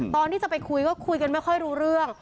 ตอนที่จะไปคุยก็คุยกันไม่ค่อยรู้เรื่อง